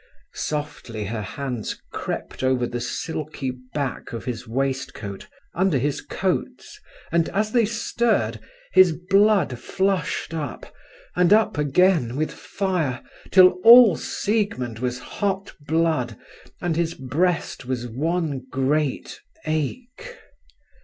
Softly her hands crept over the silky back of his waistcoat, under his coats, and as they stirred, his blood flushed up, and up again, with fire, till all Siegmund was hot blood, and his breast was one great ache.